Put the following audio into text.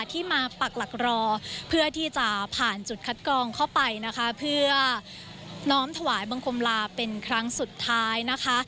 ที่มาปักหลักรอเพื่อที่จะผ่านจุดคัดกรองเข้าไปนะคะเพื่อน้องถวายบังคมลาเป็นครั้งสุดท้ายนะคะ